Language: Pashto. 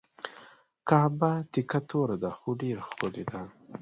کعبه تکه توره ده خو ډیره ښکلې ده.